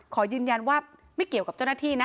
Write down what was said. ขอยืนยันว่าไม่เกี่ยวกับเจ้าหน้าที่นะ